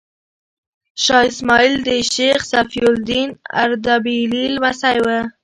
شاه اسماعیل د شیخ صفي الدین اردبیلي لمسی و.